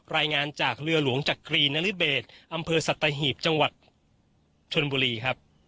รายงานจากเรือหลวงจักรีนริเบศอำเภอสัตหีบจังหวัดชนบุรีครับ